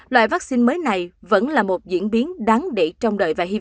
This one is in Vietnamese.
loại vaccine mới này vẫn là một diễn biến đáng để trông đợi và hy vọng